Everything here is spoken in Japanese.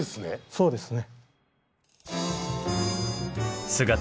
そうですね。